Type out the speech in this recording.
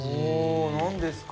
何ですか？